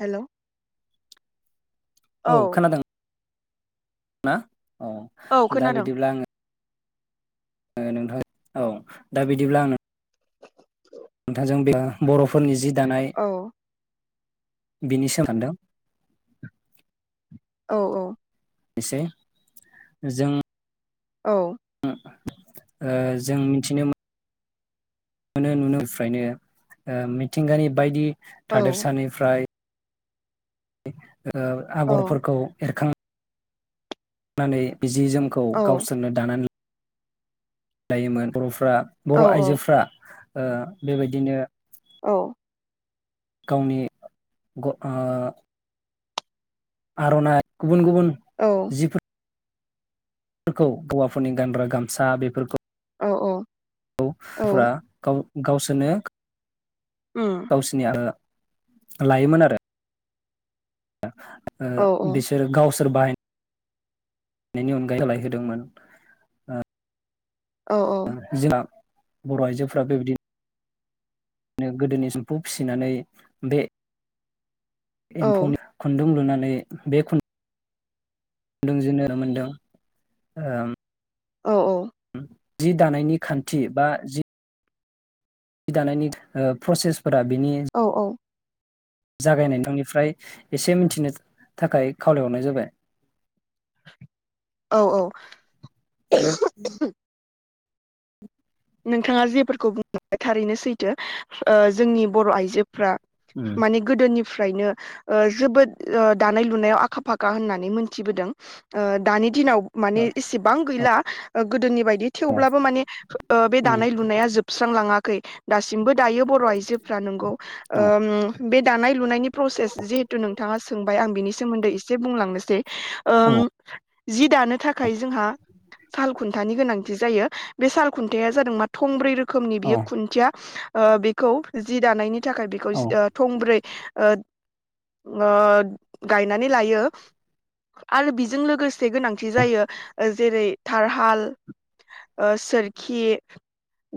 Hello औ खोनादों। ना अ औ दा खोनादों बिदिब्ला आंङो ओ नोंथां औ दा बिदिब्ला आंनो नोंथाजों बे बर'फोरनि जि दानाय औ बिनि‌ [unintelligible] औ औ एसे जों औ ओ जों मिथिनो मो मोनो नुनोफ्रायनो ओ मिथिंगानि बायदि औ थादेरसानिफ्राय [unintelligible] ओ आगरफोरखौ एरखां नानै बे जि जोमखौ औ गावसोरनो दानानै दायोमोन बर'फ बा औ बर'आइजोफ्रा। ओ बेबायदिनो औ। गावनि ग ओ आर'नाय गुबुन-गुबुन औ जिफोर फोरखौ हौवाफोरनि गानग्रा गामसा बेफोरखौ औ [unintelligible] गावसोरनो गावसिनि आरो लायोमोन आरो ओ बिसोर गावसो फोर बाहाय नायनि अनगायै सोलायहोदोंमोन। औ औ बर' आइजोफ्रा बेबायदि नो गोदोनि एम्फौ फिसिनानै बे एम्फौनि खुन्दुं लुनानै बे खु न्दुं जोंनो मोनदों। औ औ जि दानायनि खान्थि बा जि दानायनि ओ प्रसेस फोरा बिनि औ जागायनाय निफ्राय एसे मिथिनो थाखाय खावलायहरनाय जाबाय। औ औ [inaudible] नोंथांङा जेफोरखौ बुंलांबाय थारैनो सैथो जोंनि ओ बर' आइजोफ्रा माने गोदोनि फ्रायनो ओ जोबोद ओ दानाय लुनायाव आखा फाखा होननानै मोनथिबोदों ओ दानि दिनाव औ माने इसेबां गैला ओ गोदोनि बाय दि थेवब्लाबो माने ओ बे दानाया लुनाया जोबस्रां लाङाखै दासिमबो दायो बर' आइजोफ्रा नोंगौ औ ओम बे दानाय लुनायनि प्रसेस जिहेथु नोंथाङा सोंबाय आं बिनि सोमोन्दै एसे बुंलांनोसै ओम जि दानो थाखाय जोंहा साल खुन्थानि गोनांथि जायो, बे साल खुन्थाया जादों मा थंब्रै रो खोमनि औ बियो खुन्थिया ओ बिखौ जि दानायनि थाखाय औ बेखौज ओ थंब्रै गायनानै लायो आरो बिजों लोगोसे- एसे गोनांथि जायो जेरै थारहाल सोर- खि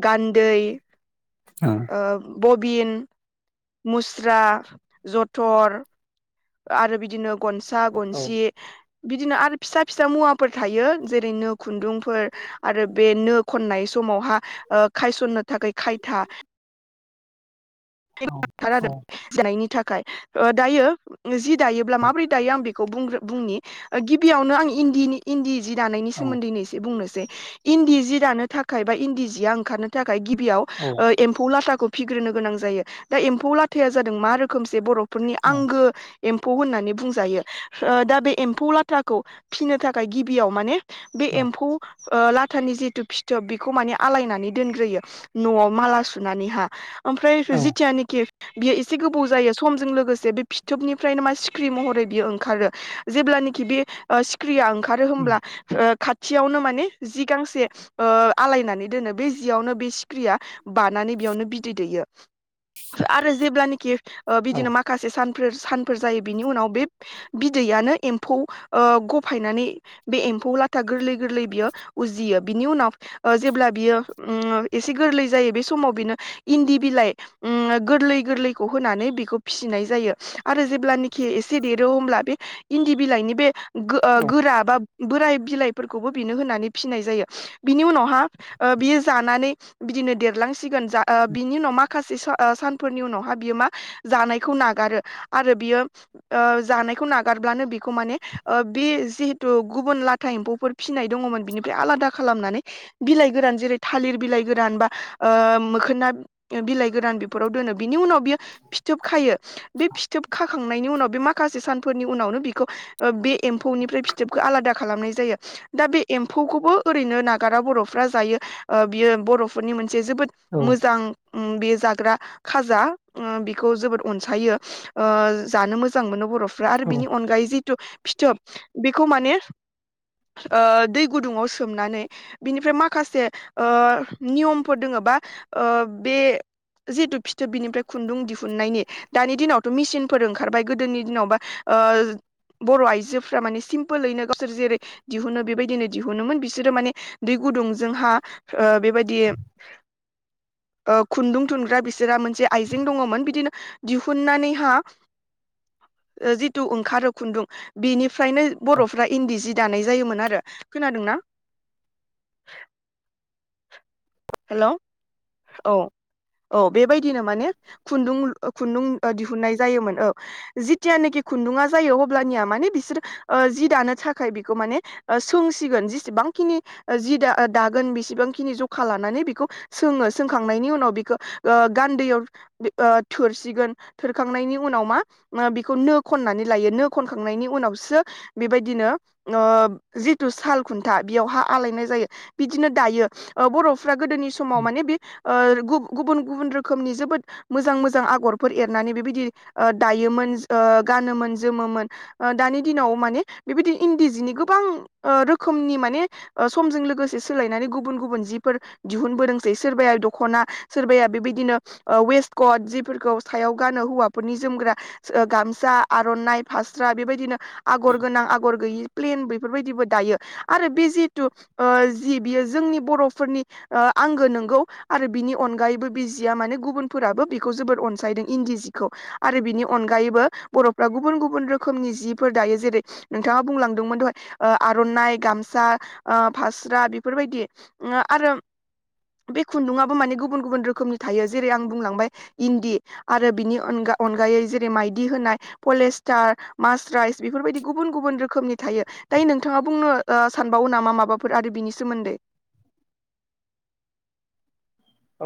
गान्दै औ बबिन मुस्रा जथर आरो बिदिनो‌ गनसा औ गनसि बिदिनो आरो फिसा फिसा मुवाफोर थायो जेरै नो खुन्दुंफोर आरो बे नो खननाय समावहा खायसननो थाखाय खायथा औ [unintelligible] खाय ओ दायो ओ जिद दायोब्ला माबोरै दायो आं बेख खौ बुंग्रो बुंनि गिबियावनो आं इनदिनि इनदि जि दानायनि सोमोन्दै एसे बुंनोसै इनदि जि। दानो थाखाय बा इन्दि जिया ओंखारनो थाख खाय गिबिआव औ ओ एमफौ लाथा खौ फिग्रोनो गोनां जायो। दा एम्फौ लाथाया जादों मा रोखोमसे बर' फोरनि औ आंगो एम्फौ होननानै बुंजायो ओ दा बे एम्फौ लाथाखौ फिसिनो थाखाय गिबियाव माने। बे औ एम्फौ। ओ लाथानि जिथु फिथोब बेखौ माने आलायनानै दोनग्रोयो नआव माला सुनानैहा। ओमफ्राय औ सुजित जेब्लानोखि बियो एसे गोबाव जायो समजों लोगोसे बे फिथोबनिफ्रायनो मा सिख्रि महरै बियो ओंखारो जेब्लानोखि बे सिखिरिया ओं ओंखारो उम होमब्ला ओ खा थियावनो माने जि गांसे ओ आलायनानै दोनो बे जियावनो बे सिख्रिया बानानै बेयावनो बिदै दैयो। आरो जेब्लानोखि ओ औ बिदिनो माखासे सान फोर सानफोर जायो बिनि उनाव बे बिदैयानो एम्फौ ओ गफायनानै बे एम्फौ लाथा गोरलै गोरलै बियो उजियो बिनि उनाव ओ जेब्ला बियो ओम एसे गोरलै जायो बे समाव बिनो इन्दि बिलाइ ओम गोरलै गोरलैखौ होनानै बेखौ फिसिनाय जायो आरो जेब्लानाखि एसे देरो अमब्ला बे इन्दि बिलाइनि बे गो ओ औ गोरा बा बोराय बिलाइफोरखौबो बिनो होनानै फिनाय जायो बिनि उनावहा ओ बियो जानानै बिदिनो देरलां सिखोन जा ओ बिनि उनाव मा [unintelligible] ओ सानफोरनि उनावहा बियो मा जानायखौ नागारो आरो बियो ओ जानायखौ नागारब्लानो बिखौ ओ माने बे जिहेथु गुबुन लाथा एम्फौफोर फिसिनाय दङमोन बिनिफ्राय आलादा खालामनानै बिलाइ गोरान जेरै थालिर बिलाइ गोरान बा ओ मोखोना बिलाइ गोरान बि फोराव दोनो बिनि उनाव‌ बियो फिथोब खायो बे फिथोब खाखांनायनि उनाव बे माखासे सानफोरनि उनावनो बेखौ बे एम्फौ निफ्राय फिथोबखौ आलादा खालामनाय जायो दा बे एम्फौखौबो ओरैनो नागारा बरफ्रा जायो बियो बरफोरनि मोन बे जोबोद मोजां ओम बे जाग्रा खाजा ओ बिखौ जोबोद अनसायो ओ जानो मोजां मोनो बर' सो आरो औ बिनि अनगायै जिथु। फिथोब बेखौ माने ओ दै गुदुङाव सोमनानै बिनिफ्राय माखासे ओ नियमफोर दोङ बा ओ बे जिहेथु फिथोब बिनिफ्राय खुन्दुं दिहुननायनि दानि दिनावथ' मिसिनफोर ओंखारबाय गोदोनि दिनावबा ओ बर' आइजोफ्रा माने सिमपोलैनो गावसोर जेरै दिहुनो बेबायदिनो दिहुनोमोन बिसोरो माने दै गुदुंजों हा ओ बेबादि ओ खुन्दुं थुन। बिसोरहा मोनसे आयजें दङमोन बिदिनो दिहुननानैहा ओ जेथु ओंखारो खुनदुं बेनि फ्रायनो बर'फ्रा इन्दि जि दानाय जायोन आरो खोनादों ना? हेलौ औ औ बेबायदिनो माने खुन्दुं खुन्दुं दिहुनन्नाय जायोमोन औ जिथियानोखि खुन्दुङा जायो अब्लानिया माने बिसोर जि दानो थाखाय बिखौ माने सोंसिगोन जिसेबांखिनि जि द दागोन बेसेबांखिनि जखा ला‌ माने बेखौ सोङो सोंखांनायनि उनाव बेखौ ओ गान्दैयाव थोरसिगोन थोरखांनायनि उनाव मा बिखौ नो खननानै लायो नो खनखांनायनि उनावसो बेबायदिनो ओ जिथु साल खुन्था बेयावहा आलायनाय जायो बिदिनो दायो बर' फ्रा गोदोनि समाव माने बेओ गुबु गुबुन गुबुन रोखोमनि जोबोद मोजां मोजां आगरफोर एरनानै बेबायदि ओ दायोमोन ओ गानोमोन जोमोमोन दानि दिनाव माने बेबायदि इन्दि जिनि गोबां ओ रोखोमनि माने समजों लोगोसे सोलायनानै गुबुन गुबुन जि फोर दिहुनबोदोंसै सोरबाया दखना सोरबाया बेबायदिनो वेस्कट जिफोरखौ सायाव गानो हौवाफोरनि जोमग्रा गामसा आर'नाइ फास्रा बेबायदिनो आगर गोनां आगर गैयि प्लेन बेफोरबायदिबो दायो आरो बे जिथु बियो जोंनि बर' फोरनि आंगो नंगौ आरो बिनि अनगायैबो बे जिया माने गुबुनफोराबो बिखौ जोबोद अनसायदों इन्दि जिखौ आरो बिनि अनगायैबो बर'फ्रा गुबुन गुबुन रोखोमनि जिफोर दायो जेरै नोंथाङा बुंलांदोंमोन दहाय आरनाइ गामसा फास्रा बेफोरबायदि आरो बे खुन्दुं आबो माने गुबुन गुबुन रोखोमनि थायो जेरै आं बुंलांबाय इन्दि आरो बिनि अन अनगायै जेरै माइदि होनाय पलेस्टार मासराइस बेफोरबायदि गुबुन गुबुन रोखोमनि थायो। दायो नोंथाङा बुंनो सानबावो नामा माबाफोर आरो बिनि सोमोन्दै।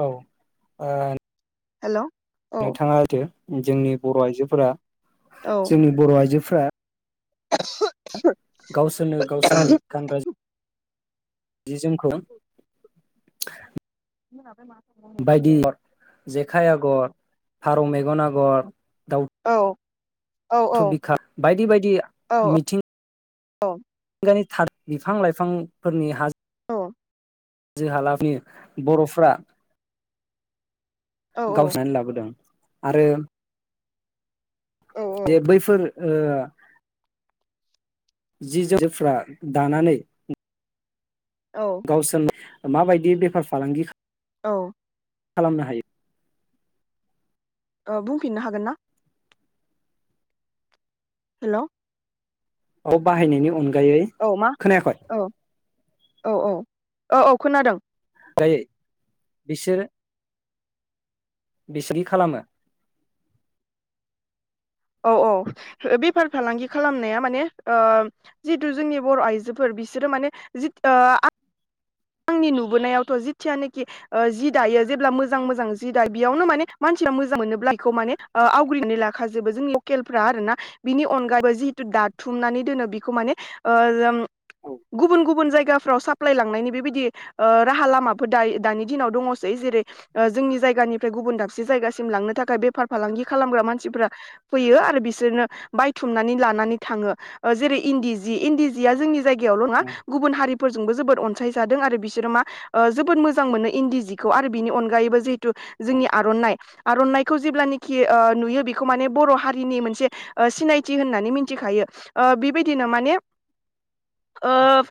औ ओ। हेलौ। नोंथाङा होथो। जोंनि बर आइजोफोरा। जोंनि बर आइजो। फ्रा गावसोरनो औ गावसोरनि गानग्रा। जि जोमखौ। [unintelligible] बायदि। जेखाइ आगर फारौ मेगन आगर। औ। औ थु बिखा बायदि बायदि औ मिथिं औ। गावनि थार बिफां लाइफांफोरनि हाज औ। जो [unintelligible] बरफ्रा। औ गावसोनानै लाबोदों। आरो। जे औ बैफोर ओ जि जोम जफ्रा दानानै। औ गावसोन। माबायदि बेफार फालांगि औ। खालामनो हायो। बुंफिननो हागोनना? हेलौ औ बाहायनायनि अन गोयै औ मा खोनायाखै‌। औ औ औ औ औ खोनादों। ओइ बिसोर बिसिनि खालामो। औ औ बेफार फालांगि खालामनाया माने ओ जितु जोंनि बर' आइजोफोर बिसोरो माने जि आ आंनि नुबोनायावथ' जिथियानोखि जि दायो जेब्ला मोजां मोजां जि दायो बेयावनो माने मानसिया मोजां मोनोब्ला बेखौ माने ओ आवग्रिनानै लाखाजोबो जोंनि लकेलफ्रा आरोना बिनि अनगायैबो जेथु दाथुमनानै दोनो बेखौ माने ओ औ गुबुन गुबुन जायगाफ्राव साप्लाय लांनायनि बेबायदि दि ओ राहा लामाफोर दा दानि दिनाव दङसै जेरै जोंनि जायगानिफ्राय गुबुन दाबसे जायगासिम लांनो थाखाय बेफार फालांगि खालामग्रा मानसिफोरा फैयो आरो बिसोरनो बायथुमनानै लानानै थाङो ओ जेरै इन्दि जि इन्दि जिया जोंनि जायगायाव नङा औ गुबुन हारि फोरजोंबो जोबोद अनसाय जादों आरो बिसोरो मा जोबोद मोजां मोनो इन्दि जिखौ आरो बिनि अनगायैबो जिहेथु जोंनि औ आरनाइ आरनाइखौ जेब्लानखि ओ नुयो बेखौ मान बर' हारिनि मोनसे सिनायथि होननानै मिथिखायो ओ बेबायदिनो माने ओ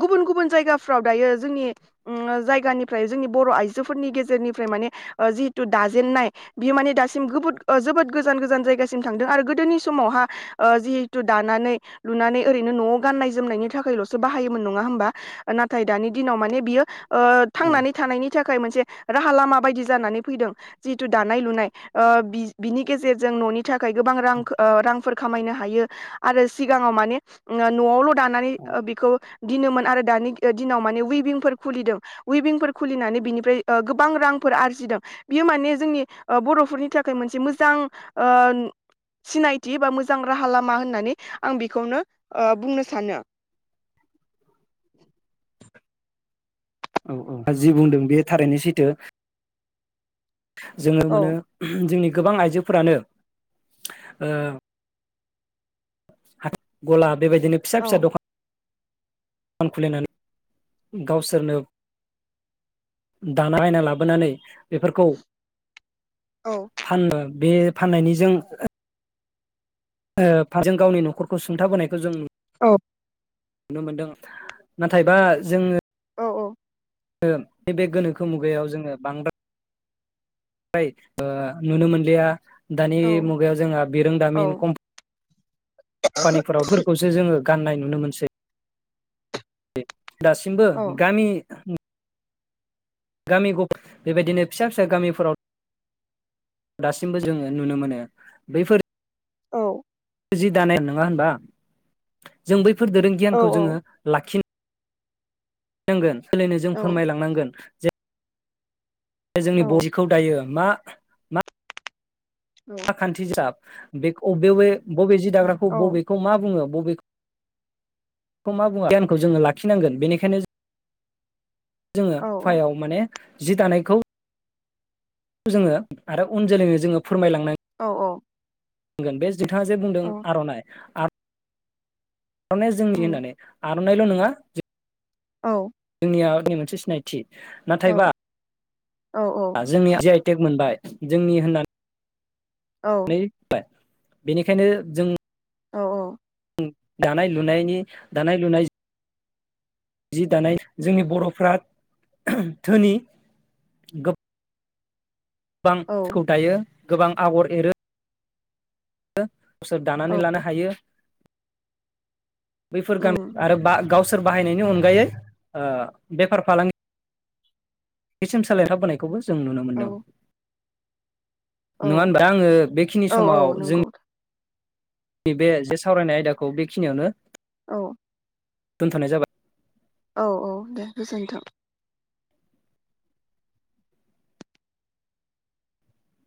गुबुन गुबुन जायगा फ्राव दायो जोंनि ओम जायगानिफ्राय जोंनि बर' आइजोफोरनि गेजेरनिफ्राय माने ओ जिहेथु दाजेननाय बियो माने दासिम जोबोद गोजान गोजान जायगासिम थांदों आरो गोदोनि समावहा ओ जिहेथु दानानै लुनानै ओरैनो न'आव गाननाय जोमनायनि थाखायल'सो बाहायोमोन नङा होमबा? नाथाय दानि दिनाव माने बियो। ओ थांनानै थानायनि थाखाय मोनसे। राहा लामा बायदि जानानै फैदों जेथु दानाय लुनाय ओ बिनि गेजेरजों ननि थाखाय ओ गोबां ओ रां रांफोर खामायनो हायो आरो सिगाङाव माने न'आवल दानानै औ बिखौ दिनोमोन आरो दानि गि दिनाव माने उइभिंफोर खुलिदों उइभिंफोर खुलिनानै बिनिफ्राय गोबां रांफोर आरजिदों बियो माने जोंनि बर'फोरनि थाखाय मोनसे मोजां ओ सिनायथि बा मोजां राहा लामा होननानै आं बेखौनो बुंनो सानो। औ औ जि बुंदों बे थारैनो सैथो। जोङो मोनो औ जोंनि गोबां आइजोफोरानो। गलाब बेबायदिनो फिसा फिसा औ दखान खान खुलिनानै गावसोरनो दानाबायना लाबोनानै बेफोरखौ औ फाननो बे फाननायनि जों औ फारसेजों गावनि न'खरखौ सुंथाबोनायखौ जों नु औ। नुनो मोनदों नाथायबा जोङो औ औ नैबे गोनोखो मुगायाव जोङो बांद्राय ओ नुनो मोनलिया। दानि औ मुगायाव जोंहा बिरोंदामिनम कम्पानिफोरावफोरखौसो जोङो। गाननाय नुनो मोनसै। दासिमबो औ गामि गामि बेबायदिनो फिसा फिसा गामिफोराव दासिमबो जोङो नुनो मोनो बैफोर औ जि दानाय नोङा होनबा जों बै फोर दोरों औ गियान जोङो लाखि नोंगोन। सोलिनो जों औ फोरमायलांनांगोन। जे जोंनि बदिखौ दायो मा मा। खान्थि हिसाब बे अबे बे बबे जि दाग्राखौ औ बबेखौ मा बुङो। बबेखौ मा गियानखौ जोङो लाखिनांगोन बेनिखायनो। जोङो औ उफायाव माने। जि दानायखौ। जोङो आरो उन जोलैनो जोङो फोरमायलङो। औ औ। बुंगोन बे बिथाङा जे बुंदों आरनाइ आर आरनाया जोंनि होननानै आरो मोननायल नङा औ बे हारिनि मोनसे सिनायथि नाथायबा जोंनि टेक मोनबाय जोंनि होननानै नै। बेनिखायनो जों औ औ दानाय लुनायनि दानाय लुनाय। जि दानाय जोंनि बरफ्रा ओहो धोनि गोबां औ सिखौ दायो। गोबां आगर एरो [unintelligible] सोर औ दानानै लानो हायो। बैफोर उम गामि आरो बा गावसोर बाहायनायनि अनगायै ओ बेफार फालांगि बेसिम सोलायना फैनायखौबो जों नुनो औ मोनदों औ नङा होनबा आङो बेखिनि औ औ समाव जों नंगौ नि बे जे सावरायनाय आयदाखौ बेखिनियावनो औ दोन्थनाय जाबाय औ-औ दे गोजोनथों